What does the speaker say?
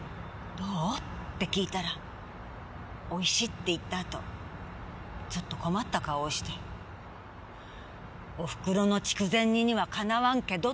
「どう？」って訊いたら「おいしい」って言った後ちょっと困った顔をして「お袋の筑前煮にはかなわんけど」